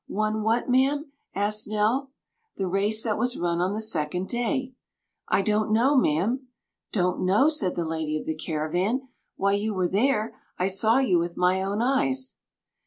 "Won what, ma'am?" asked Nell. "The race that was run on the second day." "I don't know, ma'am." "Don't know!" said the lady of the caravan; "why, you were there. I saw you with my own eyes."